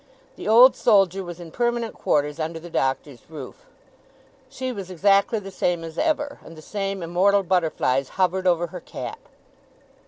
The Old Soldier was in permanent quarters under the Doctor's roof. She was exactly the same as ever, and the same immortal butterflies hovered over her cap.